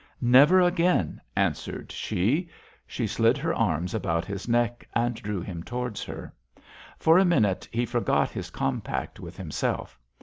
"Never again," answered she. She slid her arms about his neck and drew him towards her. For a minute he forgot his compact with himself.